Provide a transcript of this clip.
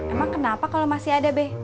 emang kenapa kalau masih ada deh